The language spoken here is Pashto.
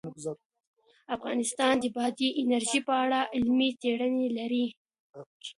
افغانستان د بادي انرژي په اړه علمي څېړنې لري.